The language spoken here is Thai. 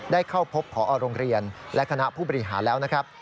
ได้เข้าพบพอโรงเรียนและคณะผู้บริหารแล้วนะครับ